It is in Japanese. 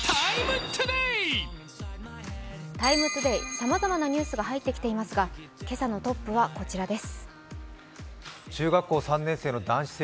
さまざまなニュースが入ってきていますが今朝のトップはこちらです。